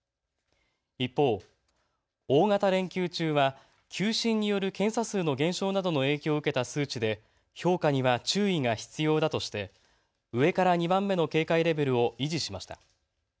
一方、大型連休中は休診による検査数の減少などの影響を受けた数値で評価には注意が必要だとして上から２番目の警戒レベルを維持しました。